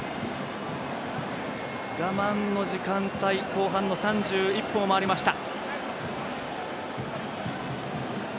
我慢の時間帯後半の３１分を回りました。